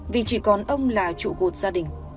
vì chỉ còn ông là trụ cột gia đình